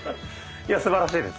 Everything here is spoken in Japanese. いやすばらしいです。